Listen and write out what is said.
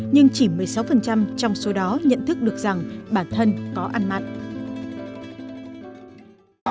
nhưng chỉ một mươi sáu trong số đó nhận thức được rằng bản thân có ăn mặn